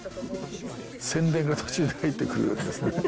宣伝が途中で入ってくるんですね。